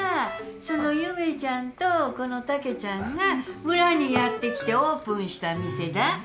その夢ちゃんとこの竹ちゃんが村にやって来てオープンした店だ。